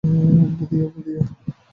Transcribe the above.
Budhia, Budhia!